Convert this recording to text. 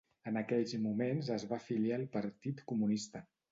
En aquells moments es va afiliar al Partit Comunista.